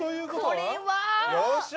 ◆これは◆よっしゃ！